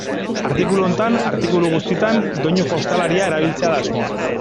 Artikulu honetan, artikulu guztietan, doinu jostalari erabiltzea da asmoa.